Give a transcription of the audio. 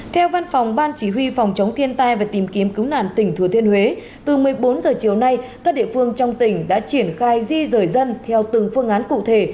theo văn phòng ban chỉ huy phòng chống thiên tai và tìm kiếm cứu nạn tỉnh thừa thiên huế từ một mươi bốn h chiều nay các địa phương trong tỉnh đã triển khai di rời dân theo từng phương án cụ thể